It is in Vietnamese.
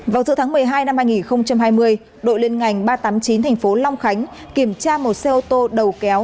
vào giữa tháng một mươi hai năm hai nghìn hai mươi đội liên ngành ba trăm tám mươi chín tp long khánh kiểm tra một xe ô tô đầu kéo